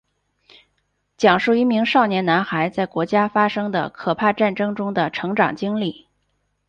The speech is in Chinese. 讲述一名少年男孩在国家发生的可怕战争中的成长经历。